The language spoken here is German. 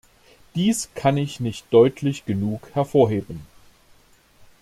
Dies kann ich nicht deutlich genug hervorheben.